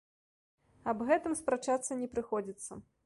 Аб гэтым спрачацца не прыходзіцца.